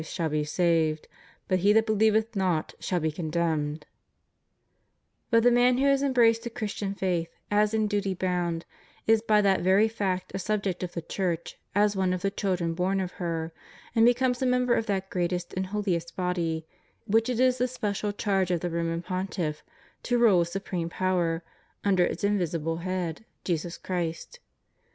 1«3 tvxd shall be saved; hut he that believeth not, shall he con demned} But the man who has embraced the Christian faith, as in duty bound, is by that very fact a subject of the Church as one of the children born of her, and becomes a member of that greatest and hoHest body, which it is the special charge of the Roman Pontiff to rule with supreme power, under its invisible head, Jesus Christ.